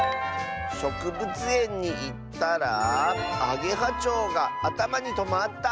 「しょくぶつえんにいったらあげはちょうがあたまにとまった！」。